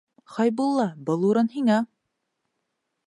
Хәйбулла, был урын һиңә!